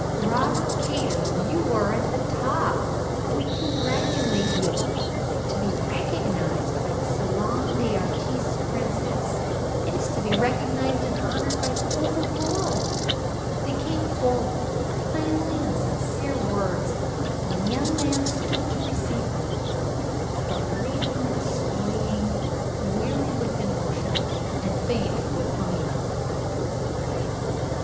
"Robert Kater, you are at the top. We congratulate you. To be recognized by the 'Salon des Artistes Francaises' is to be recognized and honored by all the world." They all came forward with kindly and sincere words, and the young man stood to receive them, but reeling and swaying, weary with emotion, and faint with hunger.